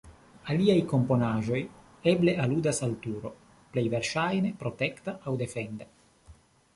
Aliaj komponaĵoj eble aludas al turo, plej verŝajne protekta aŭ defenda.